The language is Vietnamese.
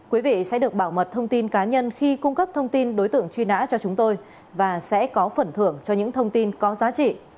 quý vị sẽ được bảo mật thông tin cá nhân khi cung cấp thông tin đối tượng truy nã cho chúng tôi và sẽ có phần thưởng cho những thông tin có giá trị